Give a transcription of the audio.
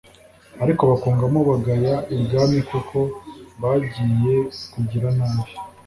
ariko bakungamo bagaya ibwami kuko bagiye kugira nabi